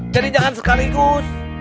jadi jangan sekaligus